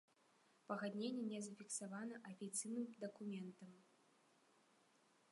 Пагадненне не зафіксавана афіцыйным дакументам.